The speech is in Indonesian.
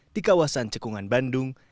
di kawasan cekungan bandung